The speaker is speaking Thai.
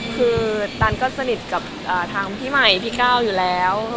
คือตันก็สนิทกับทางพี่ใหม่พี่ก้าวอยู่แล้ว